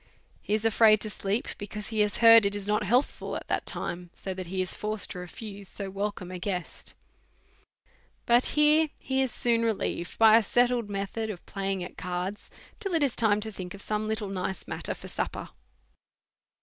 He is afraid to sleep, because he has heard it is not healthful at that time, so that he is forced to refuse so welcome a guest. DEVOUT AND HOLY LIFE. 143 But here he is soon relieved by a settled raethod of playing" at cards till it is lime to tliink of some little nice matter for supper.